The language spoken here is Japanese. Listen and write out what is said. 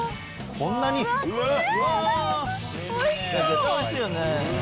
これ絶対おいしいよね。